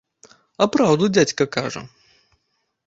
А праўду дзядзька кажа.